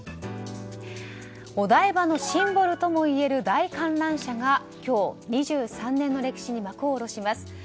お台場のシンボルともいえる大観覧車が今日、２３年の歴史に幕を下ろします。